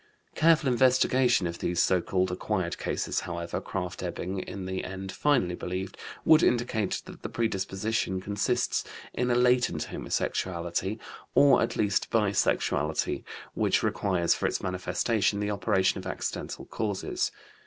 Careful investigation of these so called acquired cases, however, Krafft Ebing in the end finally believed, would indicate that the predisposition consists in a latent homosexuality, or at least bisexuality, which requires for its manifestation the operation of accidental causes.